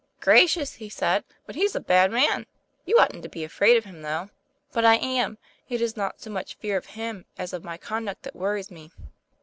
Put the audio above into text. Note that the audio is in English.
'Gracious!" he said, "but he's a bad man! You oughtn't to be afraid of him, though." 'But I am; it is not so much fear of him as of my conduct that worries me.